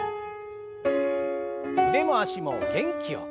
腕も脚も元気よく。